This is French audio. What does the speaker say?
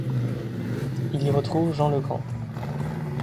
Il y retrouve Jean Legrand.